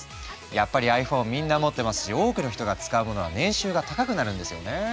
やっぱりｉＰｈｏｎｅみんな持ってますし多くの人が使うものは年収が高くなるんですよね。